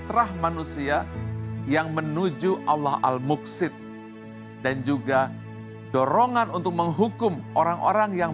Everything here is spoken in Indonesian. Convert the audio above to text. terah manusia yang menuju allah al muksid dan juga dorongan untuk menghukum orang orang yang